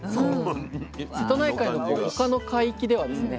瀬戸内海の他の海域ではですね